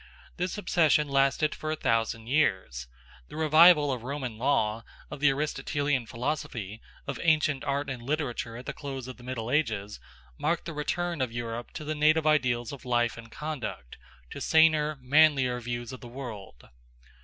This obsession lasted for a thousand years. The revival of Roman law, of the Aristotelian philosophy, of ancient art and literature at the close of the Middle Ages, marked the return of Europe to native ideals of life and conduct, to saner, manlier views of the world.